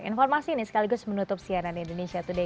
informasi ini sekaligus menutup cnn indonesia today